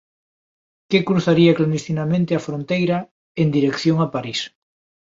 Que cruzaría clandestinamente a fronteira, en dirección a París.